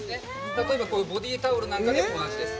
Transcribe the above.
例えばボディタオルなんかでも同じです